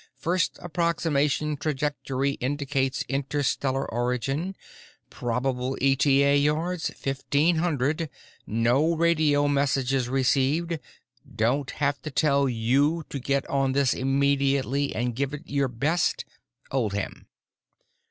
FIRST APPROXIMATION TRAJECTORY INDICATES INTERSTELLAR ORIGIN. PROBABLE ETA YARDS 1500. NO RADIO MESSAGES RECEIVED. DON'T HAVE TO TELL YOU TO GET ON THIS IMMEDIATELY AND GIVE IT YOUR BEST. OLDHAM.